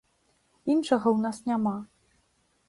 Іншага ў нас няма.